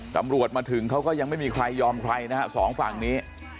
ตำรวจมาถึงเขาก็ยังไม่มีใครยอมใครนะฮะสองฝั่งนี้